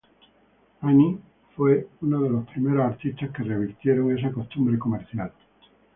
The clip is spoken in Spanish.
Amy fue uno de los primeros artistas que revirtieron esa costumbre comercial.